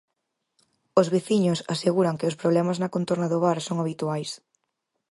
Os veciños aseguran que os problemas na contorna do bar son habituais.